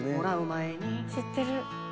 知ってる。